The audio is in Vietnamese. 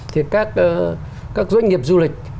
thì các doanh nghiệp du lịch